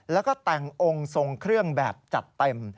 แล้วก็แต่งองค์ทรงเครื่องแบบจัดเต็ม